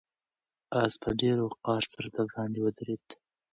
آس په ډېر وقار سره د باندې ودرېد.